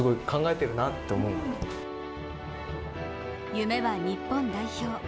夢は日本代表。